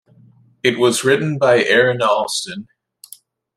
It was written by Aaron Allston.